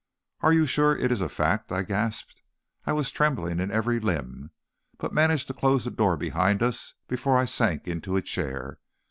"Are you sure it is a fact?" I gasped. I was trembling in every limb, but managed to close the door behind us before I sank into a chair.